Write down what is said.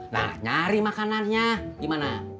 nah nyari makanannya gimana